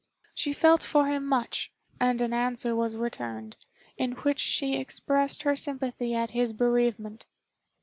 She felt for him much, and an answer was returned, in which she expressed her sympathy at his bereavement.